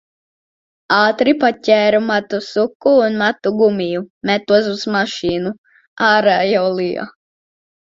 Ātri paķēru matu suku un matu gumiju, metos uz mašīnu. Ārā jau lija.